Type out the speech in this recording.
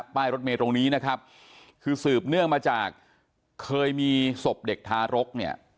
ป้ายรถเมย์ตรงนี้นะครับคือสืบเนื่องมาจากเคยมีศพเด็กทารกเนี่ย